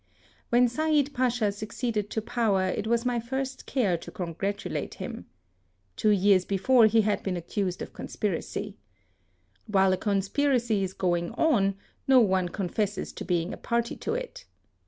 When Said Pacha succeeded to power it 10 HISTORY OF was my first care to congratulate him. Two years before he had been accused of con spiracy. While a conspiracy is going on no one confesses to being a party to it.